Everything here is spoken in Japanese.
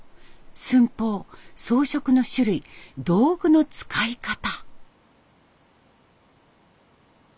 寸法装飾の種類道具の使い方。